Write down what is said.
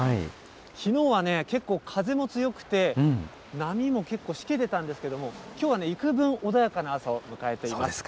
きのうはね、結構風も強くて、波も結構しけてたんですけれども、きょうはいくぶん、穏やかな朝を迎えています。